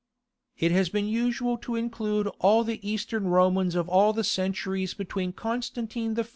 It has been usual to include all the Eastern Romans of all the centuries between Constantine I.